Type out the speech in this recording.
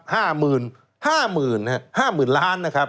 ๕๐๐๐๐ครับ๕๐๐๐๐ล้านนะครับ